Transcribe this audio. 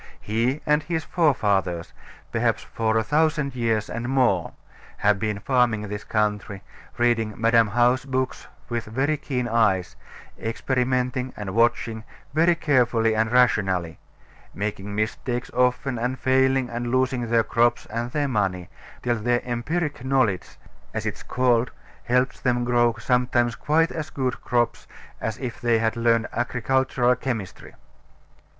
He and his forefathers, perhaps for a thousand years and more, have been farming this country, reading Madam How's books with very keen eyes, experimenting and watching, very carefully and rationally; making mistakes often, and failing and losing their crops and their money; but learning from their mistakes, till their empiric knowledge, as it is called, helps them to grow sometimes quite as good crops as if they had learned agricultural chemistry.